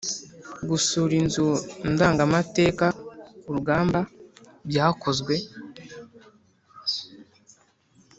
Gusura inzu ndangamateka ku rugamba byakozwe.